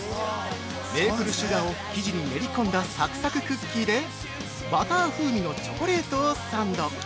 メープルシュガーを生地に練り込んだサクサククッキーでバター風味のチョコレートをサンド。